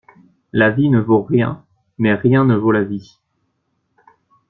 La vie ne vaut rien, mais rien ne vaut la vie